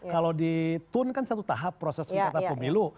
kalau ditun kan satu tahap proses penyelidikan pemilu